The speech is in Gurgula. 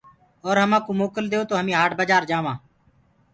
اور همآ ڪو موڪل ديئو تو همي هآٽ بآجآر جآوانٚ۔